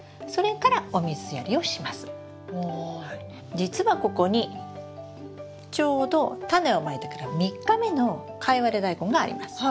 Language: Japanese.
実はここにちょうどタネをまいてから３日目のカイワレダイコンがあります。